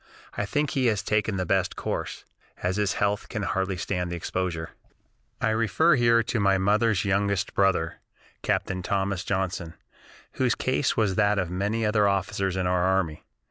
I think he has taken the best course, as his health can hardly stand the exposure." I refer here to my mother's youngest brother, Captain Thomas Johnson, whose case was that of many other officers in our army.